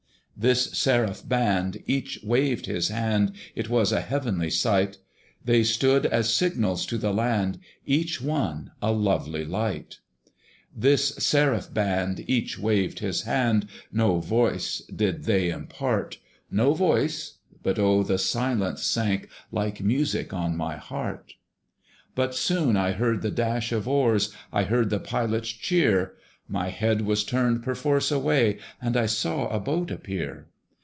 This seraph band, each waved his hand: It was a heavenly sight! They stood as signals to the land, Each one a lovely light: This seraph band, each waved his hand, No voice did they impart No voice; but oh! the silence sank Like music on my heart. But soon I heard the dash of oars; I heard the Pilot's cheer; My head was turned perforce away, And I saw a boat appear.